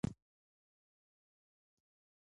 پوهه لرونکې میندې د ماشومانو د بدن ساتنه زده کوي.